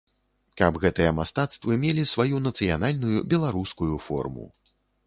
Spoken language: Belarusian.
Каб гэтыя мастацтвы мелі сваю нацыянальную, беларускую форму.